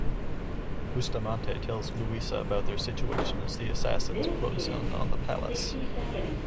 Bustamante tells Luisa about their situation as the assassins close in on the palace.